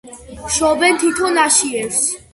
შობენ თითო ნაშიერს.